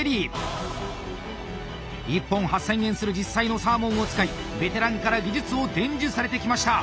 １本８，０００円する実際のサーモンを使いベテランから技術を伝授されてきました。